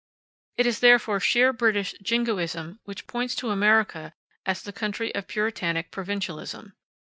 It is therefore sheer British jingoism which points to America as the country of Puritanic provincialism.